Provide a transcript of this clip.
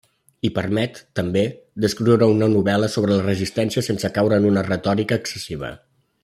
I permet, també, d'escriure una novel·la sobre la resistència sense caure en una retòrica excessiva.